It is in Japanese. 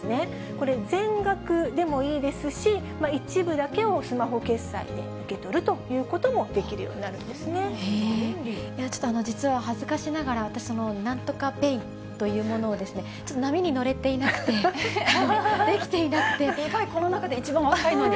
これ、全額でもいいですし、一部だけをスマホ決済で受け取るということもできるようになるん実は恥ずかしながら、私、なんとかＰａｙというものを、ちょっと波に乗れていなくて、この中で一番若いのに。